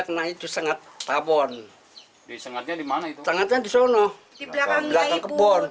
tenang itu sengat tawon disengatnya di mana itu sangatlah disonok di belakang belakang kebon